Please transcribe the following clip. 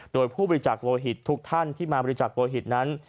โดยผู้บริจักษ์โลหิตทุกท่านที่มาบริจาคโลหิตนั้น